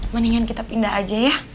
mendingan kita pindah aja ya